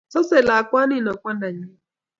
sosei lakwanino kwandanyin